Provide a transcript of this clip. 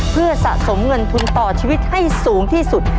เพื่อสะสมเงินทุนต่อชีวิตให้สูงที่สุด